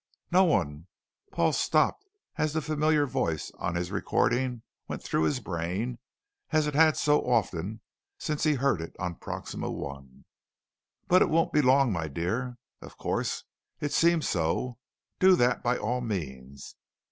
"No one " Paul stopped as the familiar voice on his recording went through his brain as it had so often since he heard it on Proxima I: '... but it won't be long, my dear.... Of course, it seems so.... Do that, by all means....'